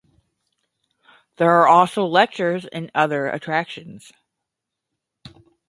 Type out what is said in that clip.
There are also lectures and other attractions.